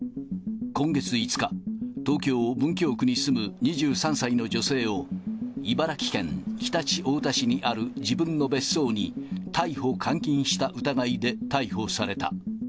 今月５日、東京・文京区に住む２３歳の女性を茨城県常陸太田市にある自分の別荘に逮捕監禁した疑いで逮捕された。